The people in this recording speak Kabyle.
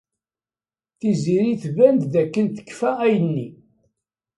Tiziri tban-d dakken tekfa ayenni.